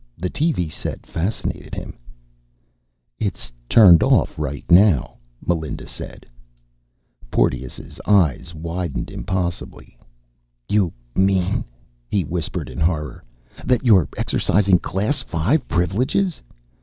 The TV set fascinated him. "It's turned off right now," Melinda said. Porteous's eyes widened impossibly. "You mean," he whispered in horror, "that you're exercising Class V privileges?